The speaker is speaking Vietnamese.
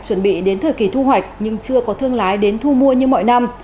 chuẩn bị đến thời kỳ thu hoạch nhưng chưa có thương lái đến thu mua như mọi năm